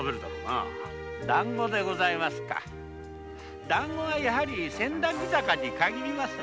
だんごですかだんごはやはり千駄木坂に限ります。